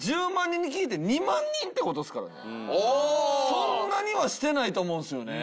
そんなにはしてないと思うんすよね。